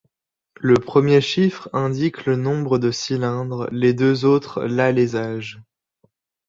Le premier chiffre indique le nombre de cylindres, les deux autres l'alésage.